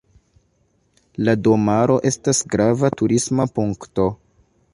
La domaro estas grava turisma punkto.